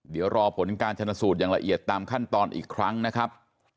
เดี๋ยวรอผลการชนสูตรอย่างละเอียดตามขั้นตอนอีกครั้งนะครับ